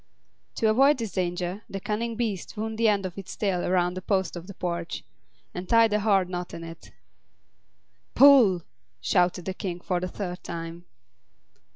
To avoid this danger the cunning beast wound the end of its tail around a post of the porch, and tied a hard knot in it. "Pull!" shouted the King for the third time.